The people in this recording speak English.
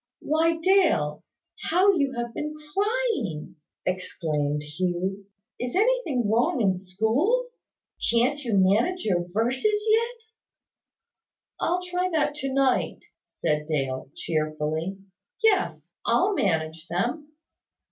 "Why, Dale, how you have been crying!" exclaimed Hugh. "Is anything wrong in school? Can't you manage your verses yet?" "I'll try that to night," said Dale, cheerfully. "Yes; I'll manage them.